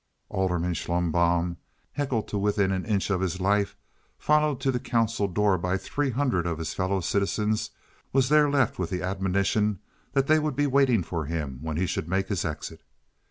Alderman Schlumbohm, heckled to within an inch of his life, followed to the council door by three hundred of his fellow citizens, was there left with the admonition that they would be waiting for him when he should make his exit.